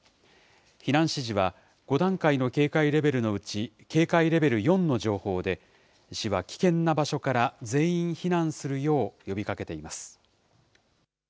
避難指示は５段階の警戒レベルのうち、警戒レベル４の情報で、市は危険な場所から全員避難するよう呼びかけています。